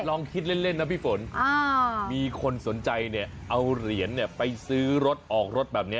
ลองคิดเล่นนะพี่ฝนมีคนสนใจเนี่ยเอาเหรียญไปซื้อรถออกรถแบบนี้